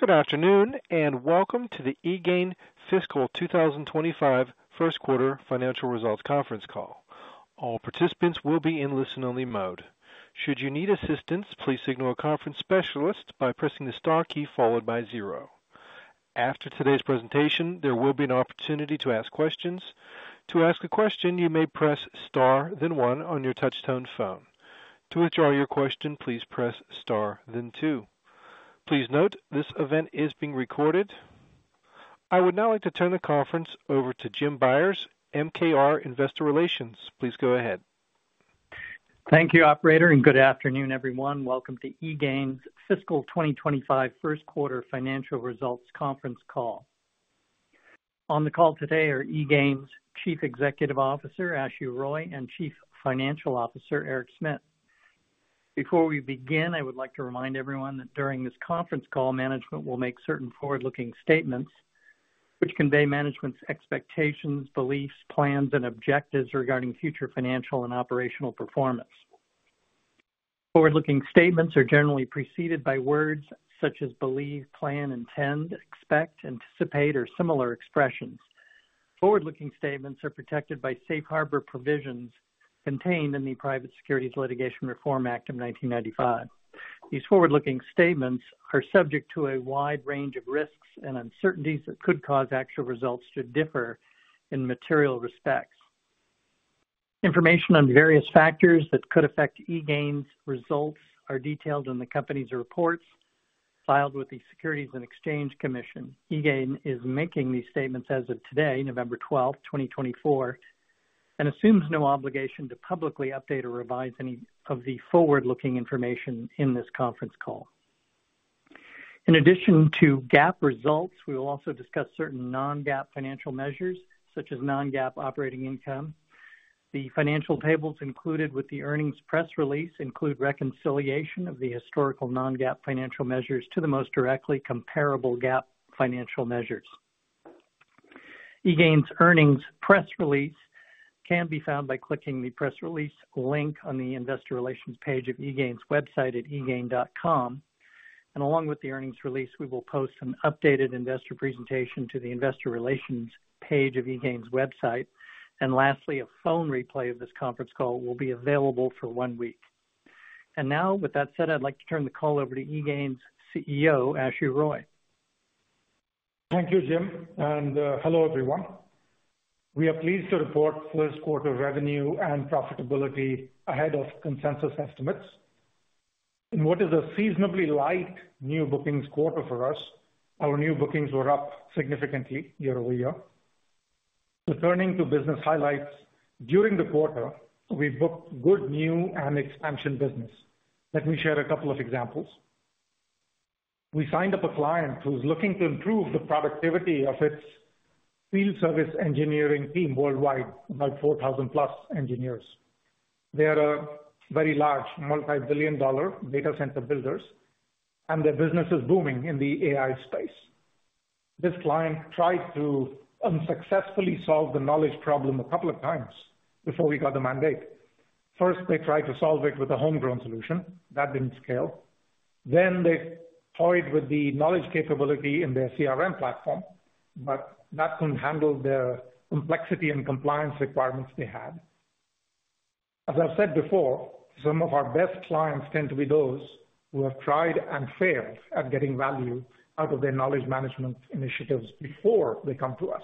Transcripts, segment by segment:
Good afternoon and welcome to the eGain Fiscal 2025 First Quarter Financial Results Conference Call. All participants will be in listen-only mode. Should you need assistance, please signal a conference specialist by pressing the star key followed by zero. After today's presentation, there will be an opportunity to ask questions. To ask a question, you may press star, then one on your touch-tone phone. To withdraw your question, please press star, then two. Please note this event is being recorded. I would now like to turn the conference over to Jim Byers, MKR Investor Relations. Please go ahead. Thank you, Operator, and good afternoon, everyone. Welcome to eGain's Fiscal 2025 First Quarter Financial Results Conference Call. On the call today are eGain's Chief Executive Officer, Ashu Roy, and Chief Financial Officer, Eric Smit. Before we begin, I would like to remind everyone that during this conference call, management will make certain forward-looking statements which convey management's expectations, beliefs, plans, and objectives regarding future financial and operational performance. Forward-looking statements are generally preceded by words such as believe, plan, intend, expect, anticipate, or similar expressions. Forward-looking statements are protected by safe harbor provisions contained in the Private Securities Litigation Reform Act of 1995. These forward-looking statements are subject to a wide range of risks and uncertainties that could cause actual results to differ in material respects. Information on various factors that could affect eGain's results are detailed in the company's reports filed with the Securities and Exchange Commission. eGain is making these statements as of today, November 12, 2024, and assumes no obligation to publicly update or revise any of the forward-looking information in this conference call. In addition to GAAP results, we will also discuss certain non-GAAP financial measures such as non-GAAP operating income. The financial tables included with the earnings press release include reconciliation of the historical non-GAAP financial measures to the most directly comparable GAAP financial measures. eGain's earnings press release can be found by clicking the press release link on the Investor Relations page of eGain's website at egain.com, and along with the earnings release, we will post an updated investor presentation to the Investor Relations page of eGain's website, and lastly, a phone replay of this conference call will be available for one week, and now, with that said, I'd like to turn the call over to eGain's CEO, Ashu Roy. Thank you, Jim. And hello, everyone. We are pleased to report first quarter revenue and profitability ahead of consensus estimates. In what is a seasonally light new bookings quarter for us, our new bookings were up significantly year-over-year. Returning to business highlights, during the quarter, we booked good new and expansion business. Let me share a couple of examples. We signed up a client who's looking to improve the productivity of its field service engineering team worldwide, about 4,000-plus engineers. They are a very large multi-billion-dollar data center builder, and their business is booming in the AI space. This client tried to unsuccessfully solve the knowledge problem a couple of times before we got the mandate. First, they tried to solve it with a homegrown solution that didn't scale. Then they toyed with the knowledge capability in their CRM platform, but that couldn't handle the complexity and compliance requirements they had. As I've said before, some of our best clients tend to be those who have tried and failed at getting value out of their knowledge management initiatives before they come to us.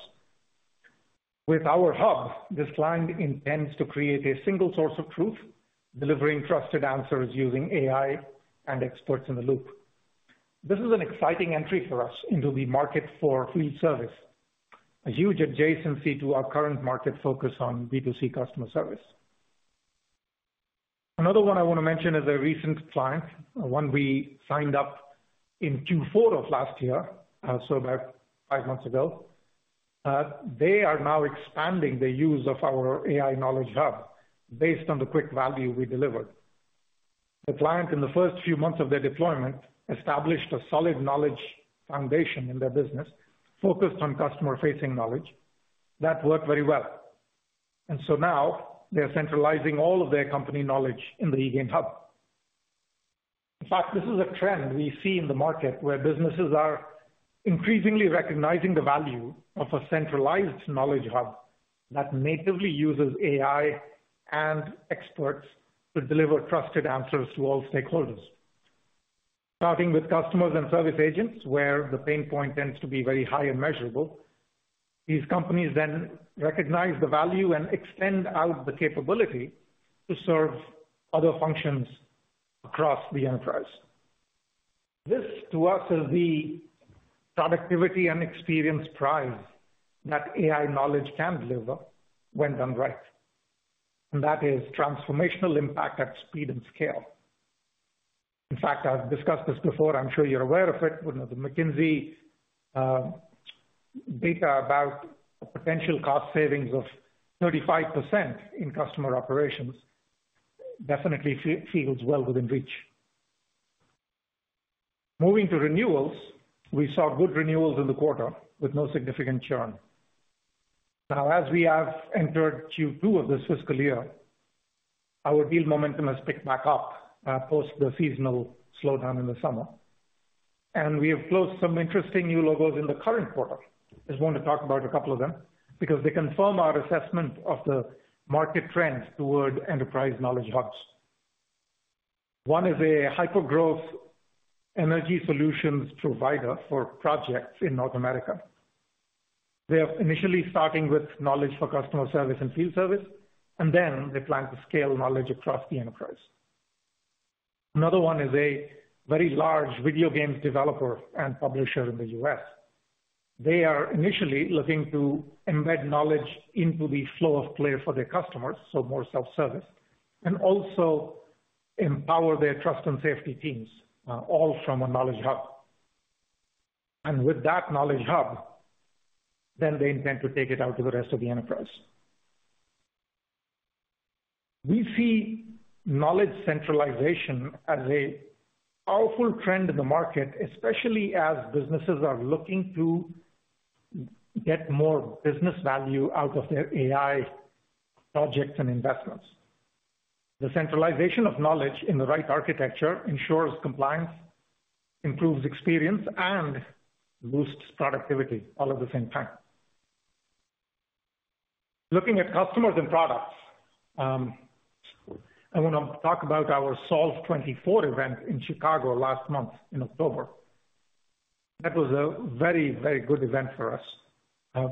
With our Hub, this client intends to create a single source of truth, delivering trusted answers using AI and experts in the loop. This is an exciting entry for us into the market for field service, a huge adjacency to our current market focus on B2C customer service. Another one I want to mention is a recent client, one we signed up in Q4 of last year, so about five months ago. They are now expanding the use of our AI Knowledge Hub based on the quick value we delivered. The client, in the first few months of their deployment, established a solid knowledge foundation in their business focused on customer-facing knowledge that worked very well. And so now they are centralizing all of their company knowledge in the eGain Hub. In fact, this is a trend we see in the market where businesses are increasingly recognizing the value of a centralized knowledge hub that natively uses AI and experts to deliver trusted answers to all stakeholders. Starting with customers and service agents, where the pain point tends to be very high and measurable, these companies then recognize the value and extend out the capability to serve other functions across the enterprise. This, to us, is the productivity and experience prize that AI knowledge can deliver when done right. And that is transformational impact at speed and scale. In fact, I've discussed this before. I'm sure you're aware of it. The McKinsey data about potential cost savings of 35% in customer operations definitely feels well within reach. Moving to renewals, we saw good renewals in the quarter with no significant churn. Now, as we have entered Q2 of this fiscal year, our deal momentum has picked back up post the seasonal slowdown in the summer. And we have closed some interesting new logos in the current quarter. I just want to talk about a couple of them because they confirm our assessment of the market trends toward enterprise knowledge hubs. One is a hyper-growth energy solutions provider for projects in North America. They are initially starting with knowledge for customer service and field service, and then they plan to scale knowledge across the enterprise. Another one is a very large video games developer and publisher in the U.S. They are initially looking to embed knowledge into the flow of play for their customers, so more self-service, and also empower their trust and safety teams, all from a knowledge hub. And with that knowledge hub, then they intend to take it out to the rest of the enterprise. We see knowledge centralization as a powerful trend in the market, especially as businesses are looking to get more business value out of their AI projects and investments. The centralization of knowledge in the right architecture ensures compliance, improves experience, and boosts productivity all at the same time. Looking at customers and products, I want to talk about our Solve 24 event in Chicago last month in October. That was a very, very good event for us.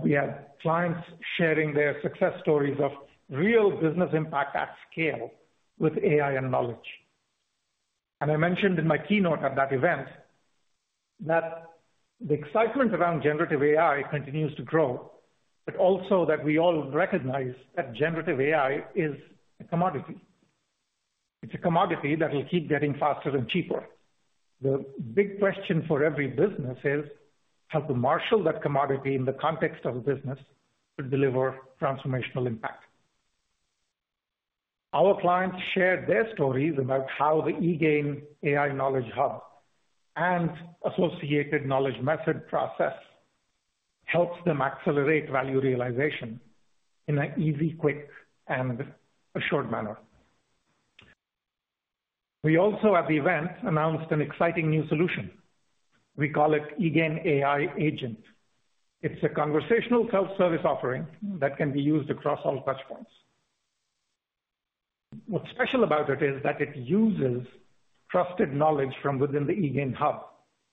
We had clients sharing their success stories of real business impact at scale with AI and knowledge. I mentioned in my keynote at that event that the excitement around generative AI continues to grow, but also that we all recognize that generative AI is a commodity. It's a commodity that will keep getting faster and cheaper. The big question for every business is how to marshal that commodity in the context of business to deliver transformational impact. Our clients shared their stories about how the eGain AI Knowledge Hub and associated knowledge method process helps them accelerate value realization in an easy, quick, and assured manner. We also, at the event, announced an exciting new solution. We call it eGain AI Agent. It's a conversational self-service offering that can be used across all touchpoints. What's special about it is that it uses trusted knowledge from within the eGain hub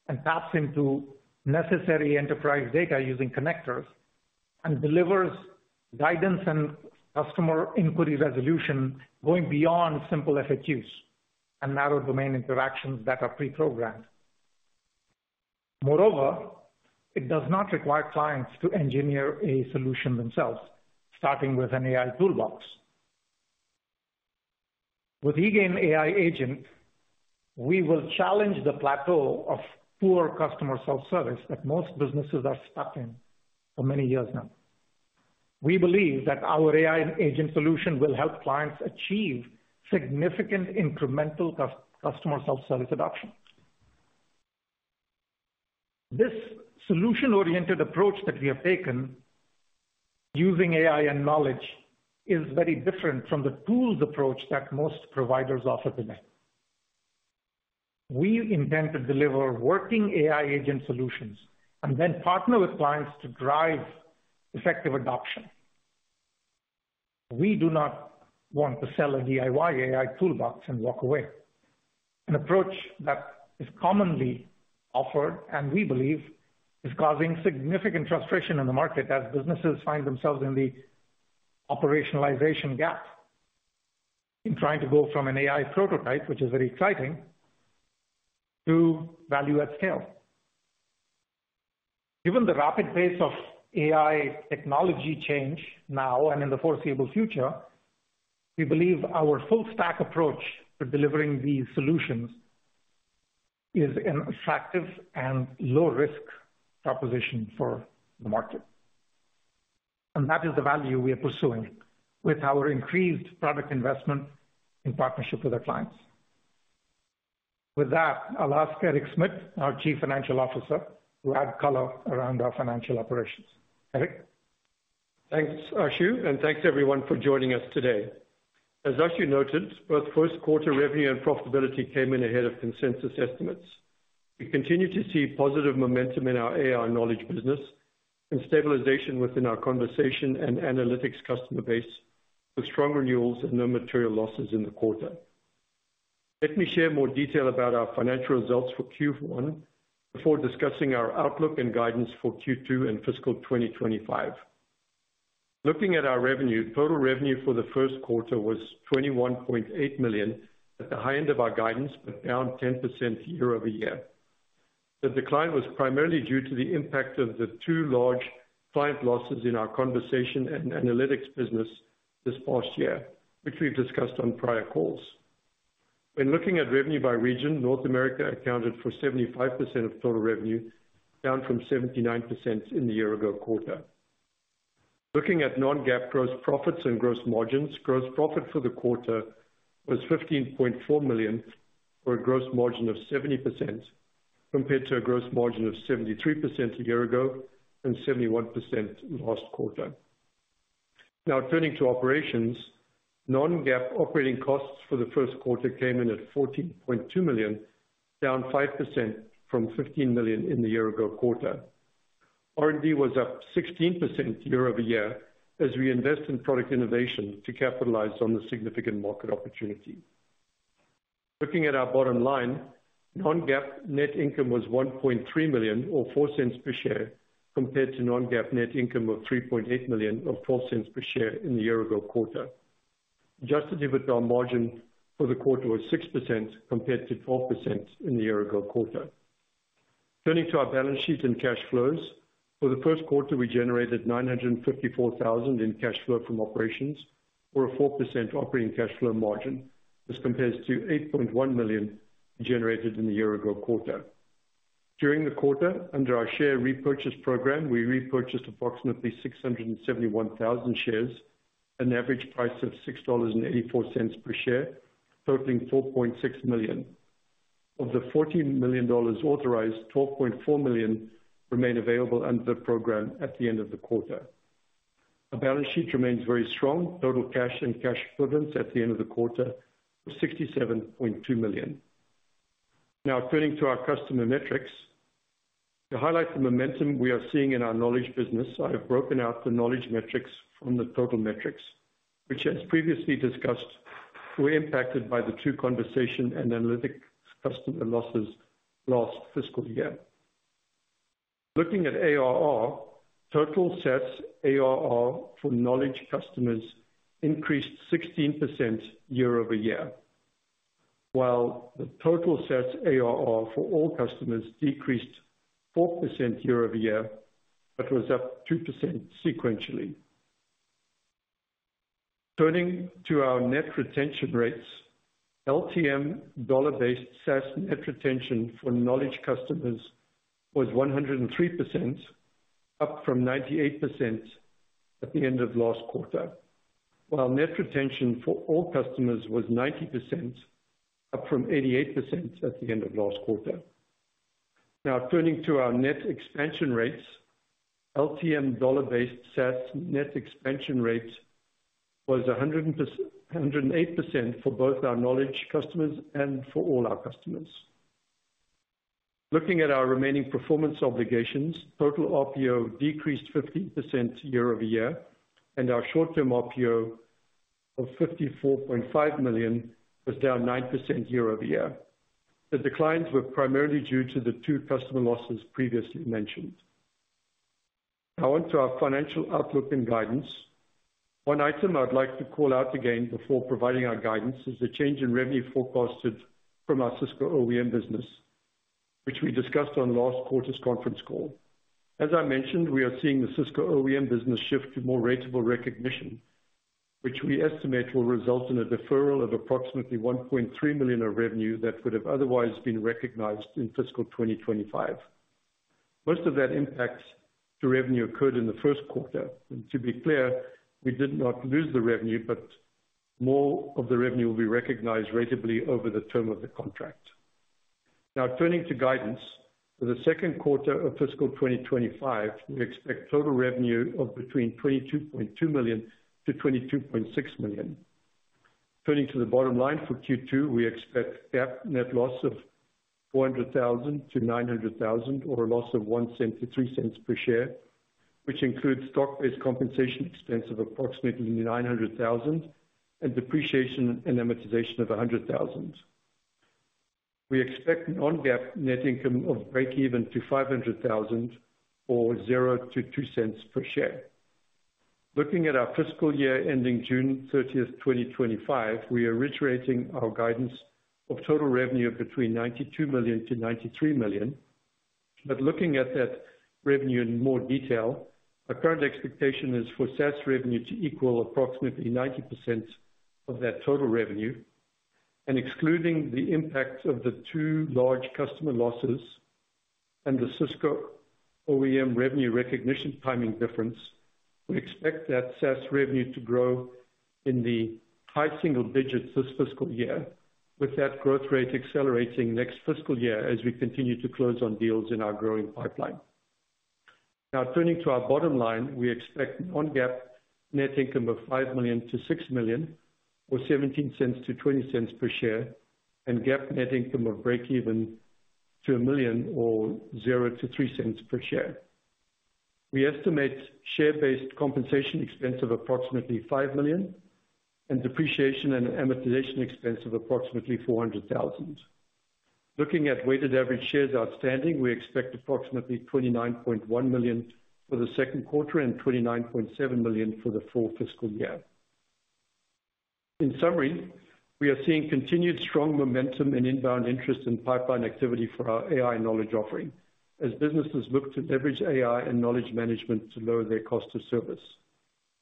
and taps into necessary enterprise data using connectors and delivers guidance and customer inquiry resolution going beyond simple FAQs and narrow domain interactions that are pre-programmed. Moreover, it does not require clients to engineer a solution themselves, starting with an AI toolbox. With eGain AI Agent, we will challenge the plateau of poor customer self-service that most businesses are stuck in for many years now. We believe that our AI Agent solution will help clients achieve significant incremental customer self-service adoption. This solution-oriented approach that we have taken using AI and knowledge is very different from the tools approach that most providers offer today. We intend to deliver working AI Agent solutions and then partner with clients to drive effective adoption. We do not want to sell a DIY AI toolbox and walk away. An approach that is commonly offered, and we believe, is causing significant frustration in the market as businesses find themselves in the operationalization gap in trying to go from an AI prototype, which is very exciting, to value at scale. Given the rapid pace of AI technology change now and in the foreseeable future, we believe our full-stack approach to delivering these solutions is an attractive and low-risk proposition for the market. And that is the value we are pursuing with our increased product investment in partnership with our clients. With that, I'll ask Eric Smit, our Chief Financial Officer, to add color around our financial operations. Eric? Thanks, Ashu, and thanks, everyone, for joining us today. As Ashu noted, both first quarter revenue and profitability came in ahead of consensus estimates. We continue to see positive momentum in our AI knowledge business and stabilization within our conversation and analytics customer base with strong renewals and no material losses in the quarter. Let me share more detail about our financial results for Q1 before discussing our outlook and guidance for Q2 and fiscal 2025. Looking at our revenue, total revenue for the first quarter was $21.8 million at the high end of our guidance, but down 10% year-over-year. The decline was primarily due to the impact of the two large client losses in our conversation and analytics business this past year, which we've discussed on prior calls. When looking at revenue by region, North America accounted for 75% of total revenue, down from 79% in the year-ago quarter. Looking at non-GAAP gross profits and gross margins, gross profit for the quarter was $15.4 million for a gross margin of 70% compared to a gross margin of 73% a year ago and 71% last quarter. Now, turning to operations, non-GAAP operating costs for the first quarter came in at $14.2 million, down 5% from $15 million in the year-ago quarter. R&D was up 16% year-over-year as we invest in product innovation to capitalize on the significant market opportunity. Looking at our bottom line, non-GAAP net income was $1.3 million, or $0.04 per share, compared to non-GAAP net income of $3.8 million, or $0.04 per share in the year-ago quarter. Adjusted EBITDA margin for the quarter was 6% compared to 12% in the year-ago quarter. Turning to our balance sheet and cash flows, for the first quarter, we generated $954,000 in cash flow from operations, or a 4% operating cash flow margin, as compared to $8.1 million generated in the year-ago quarter. During the quarter, under our share repurchase program, we repurchased approximately 671,000 shares at an average price of $6.84 per share, totaling $4.6 million. Of the $14 million authorized, $12.4 million remain available under the program at the end of the quarter. Our balance sheet remains very strong. Total cash and cash equivalents at the end of the quarter were $67.2 million. Now, turning to our customer metrics, to highlight the momentum we are seeing in our knowledge business, I have broken out the knowledge metrics from the total metrics, which, as previously discussed, were impacted by the two conversation and analytics customer losses last fiscal year. Looking at ARR, total SaaS ARR for knowledge customers increased 16% year-over-year, while the total SaaS ARR for all customers decreased 4% year-over-year, but was up 2% sequentially. Turning to our net retention rates, LTM dollar-based SaaS net retention for knowledge customers was 103%, up from 98% at the end of last quarter, while net retention for all customers was 90%, up from 88% at the end of last quarter. Now, turning to our net expansion rates, LTM dollar-based SaaS net expansion rate was 108% for both our knowledge customers and for all our customers. Looking at our remaining performance obligations, total RPO decreased 15% year-over-year, and our short-term RPO of $54.5 million was down 9% year-over-year. The declines were primarily due to the two customer losses previously mentioned. Now, onto our financial outlook and guidance. One item I'd like to call out again before providing our guidance is the change in revenue forecasted from our Cisco OEM business, which we discussed on last quarter's conference call. As I mentioned, we are seeing the Cisco OEM business shift to more ratable recognition, which we estimate will result in a deferral of approximately $1.3 million of revenue that would have otherwise been recognized in fiscal 2025. Most of that impact to revenue occurred in the first quarter. And to be clear, we did not lose the revenue, but more of the revenue will be recognized ratably over the term of the contract. Now, turning to guidance, for the second quarter of fiscal 2025, we expect total revenue of between $22.2 million to $22.6 million. Turning to the bottom line for Q2, we expect GAAP net loss of $400,000-$900,000, or a loss of $0.01-$0.03 per share, which includes stock-based compensation expense of approximately $900,000 and depreciation and amortization of $100,000. We expect non-GAAP net income of break-even to $500,000 or $0.00-$0.02 per share. Looking at our fiscal year ending June 30, 2025, we are reiterating our guidance of total revenue of between $92 million and $93 million. But looking at that revenue in more detail, our current expectation is for SaaS revenue to equal approximately 90% of that total revenue. Excluding the impact of the two large customer losses and the Cisco OEM revenue recognition timing difference, we expect that SaaS revenue to grow in the high single digits this fiscal year, with that growth rate accelerating next fiscal year as we continue to close on deals in our growing pipeline. Now, turning to our bottom line, we expect non-GAAP net income of $5 million-$6 million, or $0.17-$0.20 per share, and GAAP net income of break-even to $1 million or $0-$0.03 per share. We estimate share-based compensation expense of approximately $5 million and depreciation and amortization expense of approximately $400,000. Looking at weighted average shares outstanding, we expect approximately 29.1 million for the second quarter and 29.7 million for the full fiscal year. In summary, we are seeing continued strong momentum in inbound interest and pipeline activity for our AI knowledge offering as businesses look to leverage AI and knowledge management to lower their cost of service.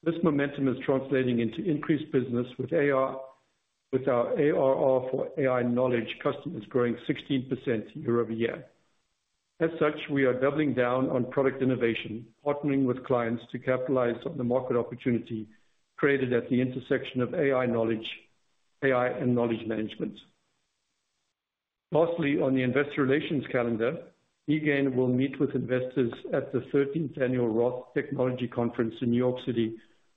This momentum is translating into increased business with our ARR for AI knowledge customers growing 16% year-over-year. As such, we are doubling down on product innovation, partnering with clients to capitalize on the market opportunity created at the intersection of AI knowledge, AI and knowledge management. Lastly, on the investor relations calendar, eGain will meet with investors at the 13th Annual Roth Technology Conference in New York City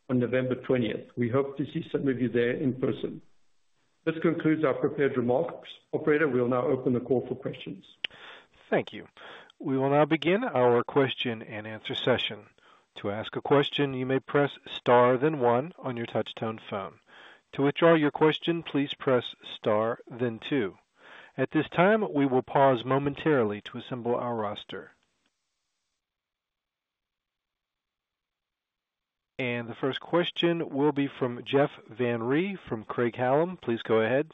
on November 20. We hope to see some of you there in person. This concludes our prepared remarks. Operator, we'll now open the call for questions. Thank you. We will now begin our question and answer session. To ask a question, you may press star, then one on your touch-tone phone. To withdraw your question, please press star, then two. At this time, we will pause momentarily to assemble our roster. And the first question will be from Jeff Van Rhee from Craig-Hallum. Please go ahead.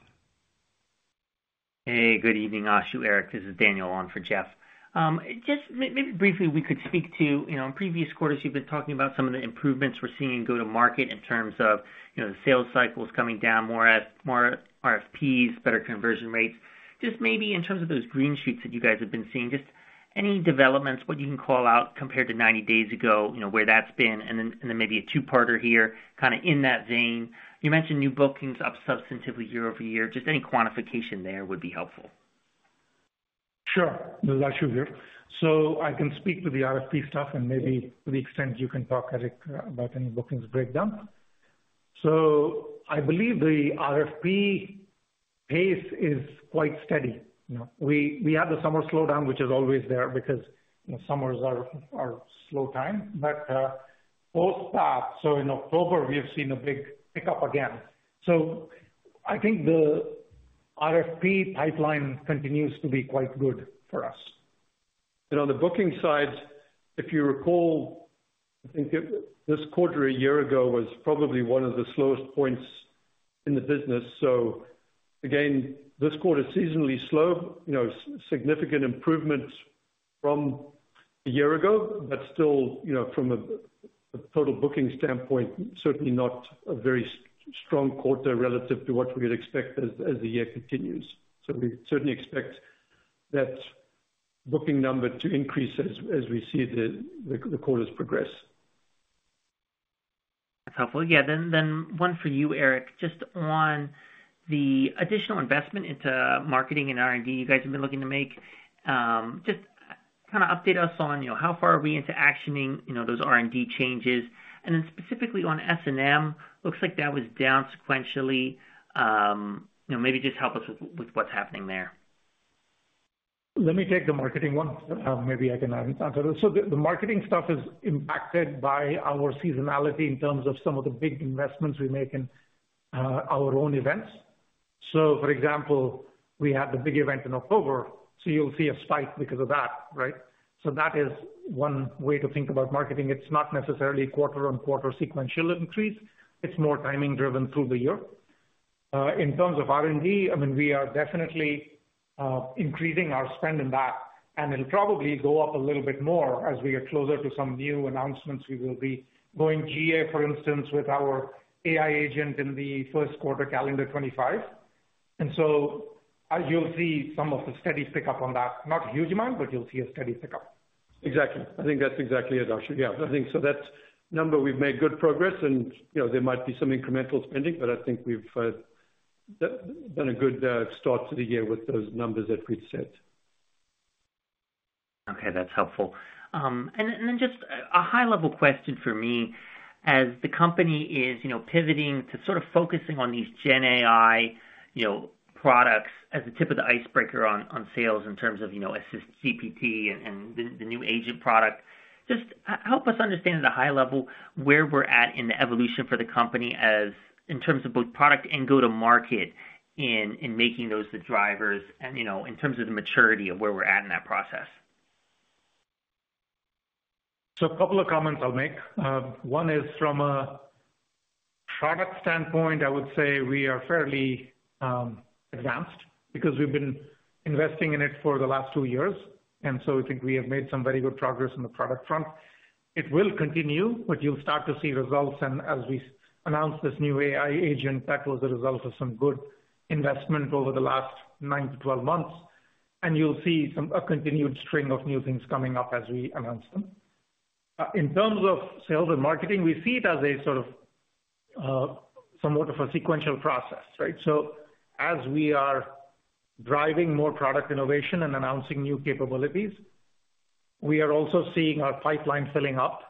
Hey, good evening, Ashu, Eric. This is Daniel on for Jeff. Just maybe briefly, we could speak to, in previous quarters, you've been talking about some of the improvements we're seeing in go-to-market in terms of the sales cycles coming down more at more RFPs, better conversion rates. Just maybe in terms of those green shoots that you guys have been seeing, just any developments, what you can call out compared to 90 days ago, where that's been, and then maybe a two-parter here kind of in that vein. You mentioned new bookings up substantively year-over-year. Just any quantification there would be helpful. Sure. There's Ashu here. So I can speak to the RFP stuff and maybe to the extent you can talk, Eric, about any bookings breakdown. So I believe the RFP pace is quite steady. We have the summer slowdown, which is always there because summers are slow time. But post that, so in October, we have seen a big pickup again. So I think the RFP pipeline continues to be quite good for us. On the booking side, if you recall, I think this quarter a year ago was probably one of the slowest points in the business. Again, this quarter seasonally slow, significant improvement from a year ago, but still, from a total booking standpoint, certainly not a very strong quarter relative to what we would expect as the year continues. We certainly expect that booking number to increase as we see the quarters progress. That's helpful. Yeah. Then one for you, Eric, just on the additional investment into marketing and R&D you guys have been looking to make. Just kind of update us on how far are we into actioning those R&D changes? And then specifically on S&M, looks like that was down sequentially. Maybe just help us with what's happening there. Let me take the marketing one. Maybe I can answer this, so the marketing stuff is impacted by our seasonality in terms of some of the big investments we make in our own events, so for example, we had the big event in October, so you'll see a spike because of that, right, so that is one way to think about marketing. It's not necessarily quarter-on-quarter sequential increase. It's more timing-driven through the year. In terms of R&D, I mean, we are definitely increasing our spend in that, and it'll probably go up a little bit more as we get closer to some new announcements. We will be going GA, for instance, with our AI agent in the first quarter calendar 2025, and so you'll see some of the steady pickup on that. Not a huge amount, but you'll see a steady pickup. Exactly. I think that's exactly it, Ashu. Yeah. I think so that number, we've made good progress, and there might be some incremental spending, but I think we've done a good start to the year with those numbers that we've set. Okay. That's helpful, and then just a high-level question for me. As the company is pivoting to sort of focusing on these GenAI products as the tip of the spear on sales in terms of AssistGPT and the new agent product, just help us understand at a high level where we're at in the evolution for the company in terms of both product and go-to-market in making those the drivers and in terms of the maturity of where we're at in that process? A couple of comments I'll make. One is from a product standpoint, I would say we are fairly advanced because we've been investing in it for the last two years. I think we have made some very good progress on the product front. It will continue, but you'll start to see results. As we announced this new AI agent, that was a result of some good investment over the last nine to 12 months. You'll see a continued string of new things coming up as we announce them. In terms of sales and marketing, we see it as a sort of somewhat of a sequential process, right? As we are driving more product innovation and announcing new capabilities, we are also seeing our pipeline filling up.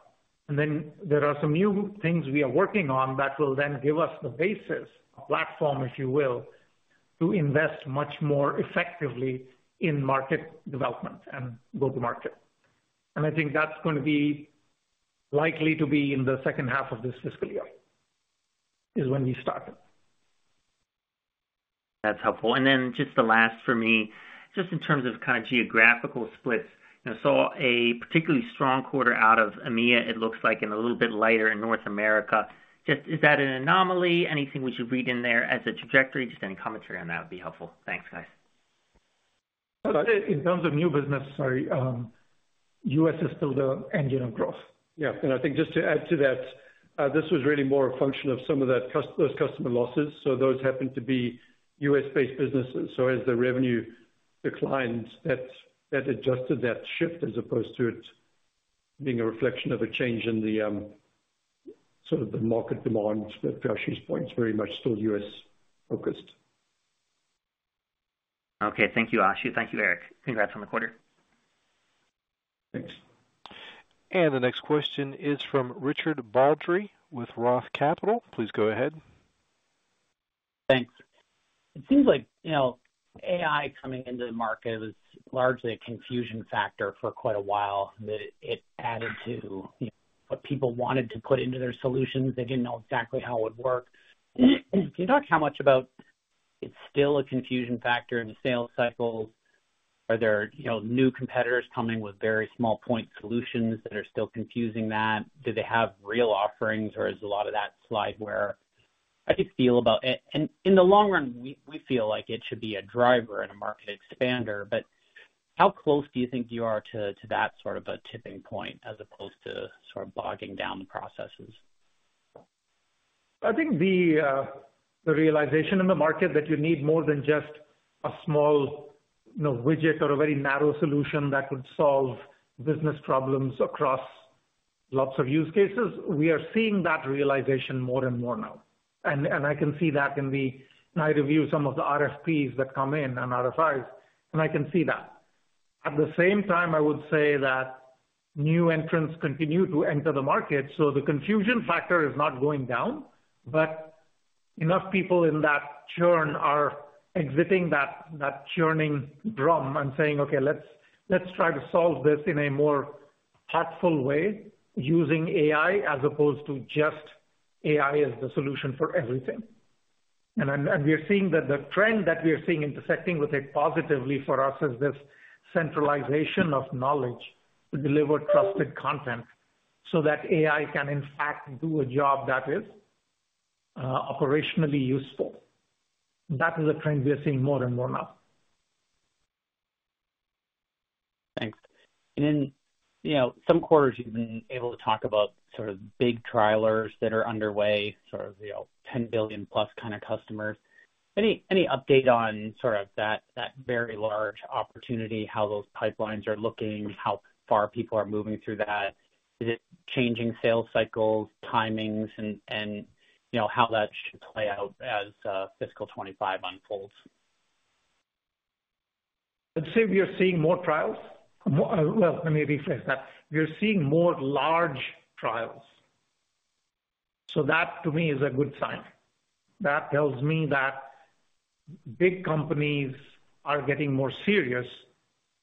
Then there are some new things we are working on that will then give us the basis, a platform, if you will, to invest much more effectively in market development and go-to-market. I think that's going to be likely to be in the second half of this fiscal year is when we started. That's helpful. And then just the last for me, just in terms of kind of geographical splits. I saw a particularly strong quarter out of EMEA, it looks like, and a little bit lighter in North America. Just, is that an anomaly? Anything we should read in there as a trajectory? Just any commentary on that would be helpful. Thanks, guys. In terms of new business, sorry, U.S. is still the engine of growth. Yeah, and I think just to add to that, this was really more a function of some of those customer losses. So those happened to be U.S.-based businesses. So as the revenue declined, that adjusted that shift as opposed to it being a reflection of a change in the sort of the market demand. But for Ashu's point, it's very much still U.S.-focused. Okay. Thank you, Ashu. Thank you, Eric. Congrats on the quarter. Thanks. The next question is from Richard Baldry with Roth Capital. Please go ahead. Thanks. It seems like AI coming into the market was largely a confusion factor for quite a while. It added to what people wanted to put into their solutions. They didn't know exactly how it would work. Can you talk how much about it's still a confusion factor in the sales cycles? Are there new competitors coming with very small-point solutions that are still confusing that? Do they have real offerings, or is a lot of that slide where I feel about it? And in the long run, we feel like it should be a driver and a market expander. But how close do you think you are to that sort of a tipping point as opposed to sort of bogging down the processes? I think the realization in the market that you need more than just a small widget or a very narrow solution that would solve business problems across lots of use cases. We are seeing that realization more and more now. And I can see that in that I review some of the RFPs that come in and RFIs, and I can see that. At the same time, I would say that new entrants continue to enter the market. So the confusion factor is not going down, but enough people in that churn are exiting that churning drum and saying, "Okay, let's try to solve this in a more thoughtful way using AI as opposed to just AI as the solution for everything." And we are seeing that the trend that we are seeing intersecting with it positively for us is this centralization of knowledge to deliver trusted content so that AI can, in fact, do a job that is operationally useful. That is a trend we are seeing more and more now. Thanks. And then some quarters you've been able to talk about sort of big deals that are underway, sort of 10 billion-plus kind of customers. Any update on sort of that very large opportunity, how those pipelines are looking, how far people are moving through that? Is it changing sales cycles, timings, and how that should play out as fiscal 2025 unfolds? I'd say we are seeing more trials. Well, let me rephrase that. We are seeing more large trials. So that, to me, is a good sign. That tells me that big companies are getting more serious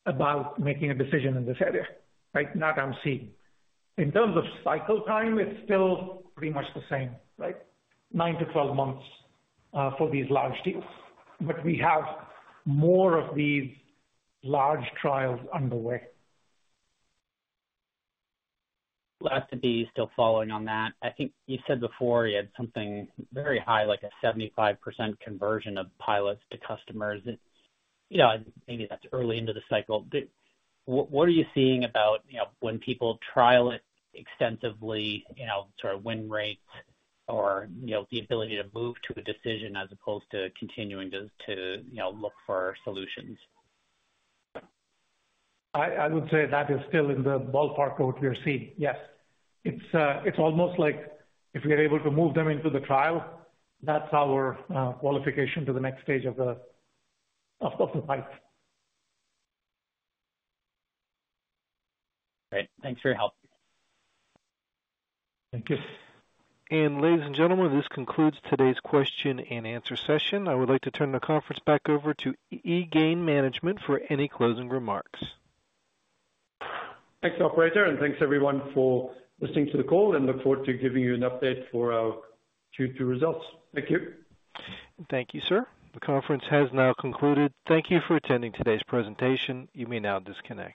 about making a decision in this area, right? That I'm seeing. In terms of cycle time, it's still pretty much the same, right? Nine to 12 months for these large deals. But we have more of these large trials underway. Glad to be still following on that. I think you said before you had something very high, like a 75% conversion of pilots to customers. Maybe that's early into the cycle. What are you seeing about when people trial it extensively, sort of win rates or the ability to move to a decision as opposed to continuing to look for solutions? I would say that is still in the ballpark of what we are seeing. Yes. It's almost like if we are able to move them into the trial, that's our qualification to the next stage of the fight. Great. Thanks for your help. Thank you. Ladies and gentlemen, this concludes today's question-and-answer session. I would like to turn the conference back over to eGain Management for any closing remarks. Thanks, Operator. And thanks, everyone, for listening to the call. And look forward to giving you an update for our Q2 results. Thank you. Thank you, sir. The conference has now concluded. Thank you for attending today's presentation. You may now disconnect.